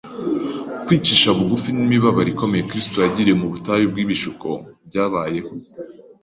Kwicisha bugufi n’imibabaro ikomeye Kristo yagiriye mu butayu bw’ibishuko byabayeho